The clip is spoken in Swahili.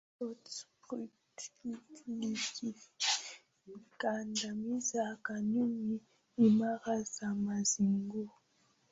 Scott Pruitt likikandamiza kanuni imara za mazingira